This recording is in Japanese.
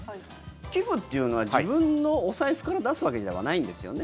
寄付っていうのは自分のお財布から出すわけではないんですよね？